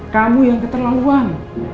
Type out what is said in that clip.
kamu yang keterlaluan